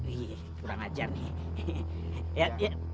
kurang ajar nih